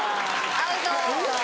アウト。